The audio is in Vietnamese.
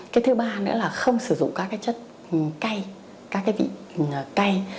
cái thứ ba nữa là không sử dụng các cái chất cay các cái vị cay